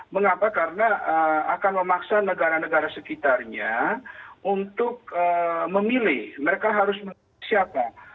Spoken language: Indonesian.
mengapa karena akan memaksa negara negara sekitarnya untuk memilih mereka harus memilih siapa